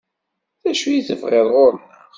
D acu i tebɣiḍ ɣur-neɣ?